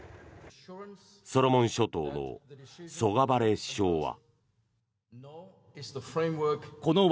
ソロモン諸島のソガバレ首相は。